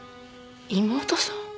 妹さん！？